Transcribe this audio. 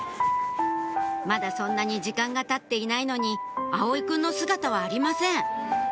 まだそんなに時間がたっていないのに葵くんの姿はありません